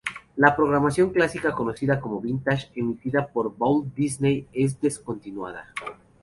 La programación clásica conocida como "vintage", emitida en Vault Disney, es descontinuada.